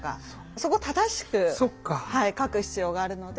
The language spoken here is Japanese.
そこは正しく書く必要があるので。